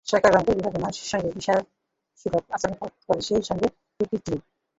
সরকার রংপুর বিভাগের মানুষের সঙ্গে বিমাতাসুলভ আচরণ করে, সেই সঙ্গে প্রকৃতিও।